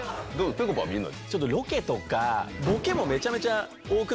ぺこぱは見んの？